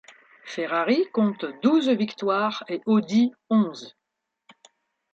Ferrari compte douze victoires et Audi, onze.